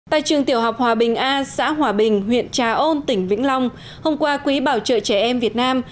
tại trường tiểu học hòa bình a xã hòa bình huyện trà ôn tỉnh vĩnh long hôm qua quỹ bảo trợ trẻ em việt nam